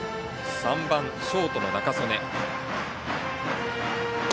３番ショートの仲宗根。